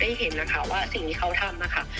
เห็นนะคะว่าสิ่งที่เขาทำนะคะ